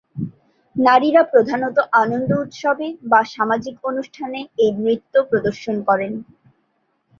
নারীরা প্রধানত আনন্দ উৎসবে বা সামাজিক অনুষ্ঠানে এই নৃত্য প্রদর্শন করেন।